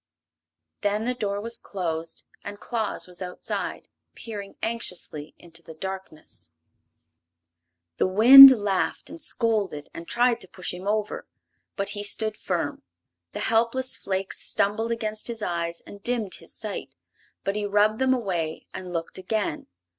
Then the door was closed and Claus was outside, peering anxiously into the darkness. The wind laughed and scolded and tried to push him over, but he stood firm. The helpless flakes stumbled against his eyes and dimmed his sight, but he rubbed them away and looked again.